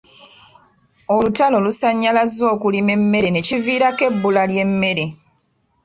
Olutalo lusannyalazza okulima emmere ne kiviirako ebbula ly'emmere.